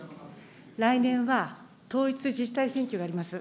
来年は、統一自治体選挙があります。